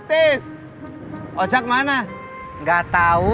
tes ocak mana enggak tahu